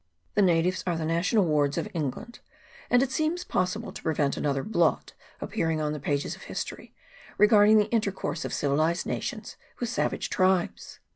The natives are the national wards of England, and it seems possible to prevent another blot appearing on the pages of history, regarding the intercourse of civilised nations with savage tribes.